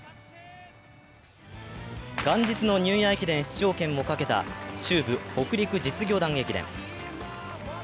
元日のニューイヤー駅伝出場権をかけた中部・北陸実業団駅伝。